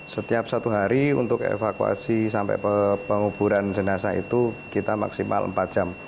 setiap satu hari untuk evakuasi sampai penguburan jenazah itu kita maksimal empat jam